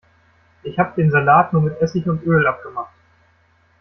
Ich hab den Salat nur mit Essig und Öl abgemacht.